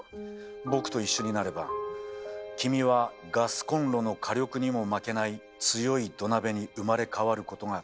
僕と一緒になれば君はガスコンロの火力にも負けない強い土鍋に生まれ変わることができる。